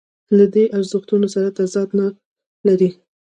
له دیني ارزښتونو سره تضاد نه لري.